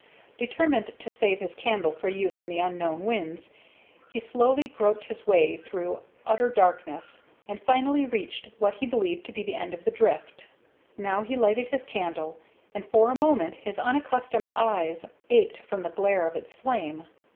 Determined to save his candle for use in the unknown winze, he slowly groped his way through utter darkness, and finally reached what he believed to be the end of the drift. Now he lighted his candle, and for a moment his unaccustomed eyes ached from the glare of its flame.